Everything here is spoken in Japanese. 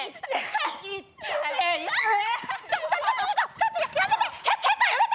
ちょっとやめて！